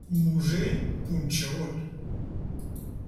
Musell punxegut.